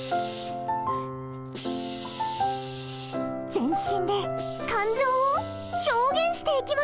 全身で感情を表現してきましょう。